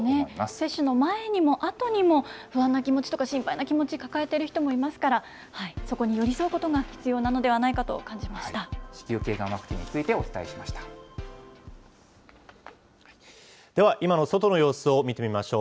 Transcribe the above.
接種の前にも後にも、不安な気持ちとか、心配な気持ち、抱えている人もいますから、そこに寄り添うことが必要なのではないか子宮けいがんワクチンについでは、今の外の様子を見てみましょう。